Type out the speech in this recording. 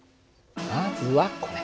まずはこれ。